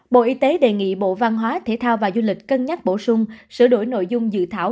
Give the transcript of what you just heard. bộ y tế đề nghị bộ văn hóa thể thao và du lịch cân nhắc bổ sung sửa đổi nội dung dự thảo